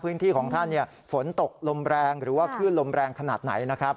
พื้นที่ของท่านฝนตกลมแรงหรือว่าคลื่นลมแรงขนาดไหนนะครับ